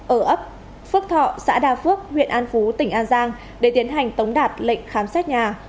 ở ấp phước thọ xã đa phước huyện an phú tỉnh an giang để tiến hành tống đạt lệnh khám xét nhà